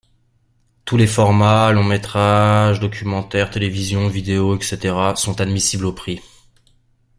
Tous les formats - longs-métrages, documentaires, télévision, vidéo, etc. - sont admissibles au prix.